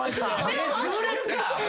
目つぶれるかアホ。